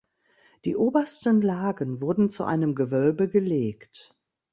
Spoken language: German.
Die obersten Lagen wurden zu einem Gewölbe gelegt.